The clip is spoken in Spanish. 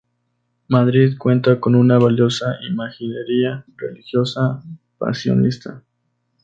Madrid cuenta con una valiosa imaginería religiosa pasionista.